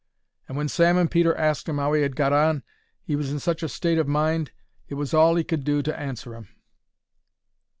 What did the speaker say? And when Sam and Peter asked him 'ow he 'ad got on, he was in such a state of mind it was all 'e could do to answer 'em.